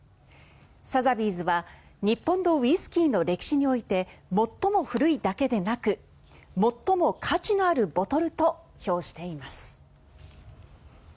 サザビーズは日本のウイスキーの歴史において最も古いだけでなく最も価値のあるボトルと評しています。